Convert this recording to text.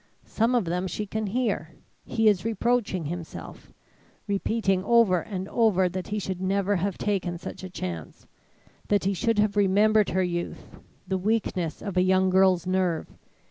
Some of them she can hear. He is reproaching himself repeating over and over that he should never have taken such a chance; that he should have remembered her youth the weakness of a young girl's nerve.